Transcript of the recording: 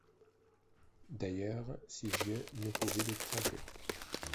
D’ailleurs ses yeux ne pouvaient le tromper.